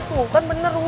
bukan bener rusuh